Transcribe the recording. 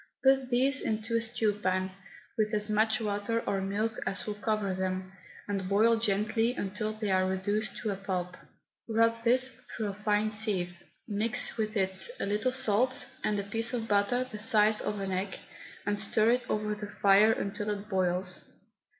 Put these into a stew pan, with as much water or milk as will cover them, and boil gently until they are reduced to a pulp. Rub this through a fine sieve, mix with it a little salt, and a piece of butter the size of an egg, and stir it over the fire until it boils.